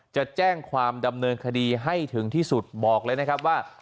จะแจ้งความดำเนินคดีให้ถึงที่สุดบอกเลยนะครับว่า